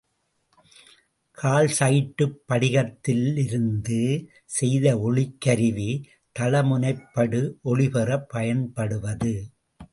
கால்சைட்டுப் படிகத்திலிருந்து செய்த ஒளிக்கருவி, தள முனைப்படு ஒளி பெறப் பயன்படுவது.